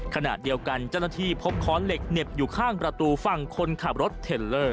ขณะเดียวกันเจ้าหน้าที่พบค้อนเหล็กเหน็บอยู่ข้างประตูฝั่งคนขับรถเทลเลอร์